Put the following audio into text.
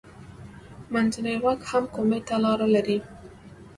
منځنی غوږ هم کومي ته لاره لري.